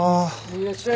いらっしゃい。